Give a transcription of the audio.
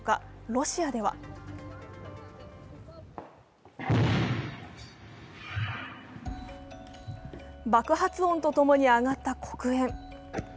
ロシアでは爆発音とともに上がった黒煙。